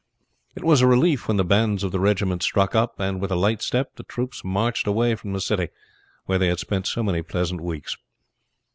It was a relief when the bands of the regiment struck up, and with a light step the troops marched away from the city where they had spent so many pleasant weeks.